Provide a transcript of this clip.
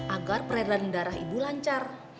agar peredaran darah ibu lancar